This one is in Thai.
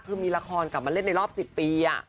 คือมีละครกลับมาเล่นรอบสิบปีน่ะ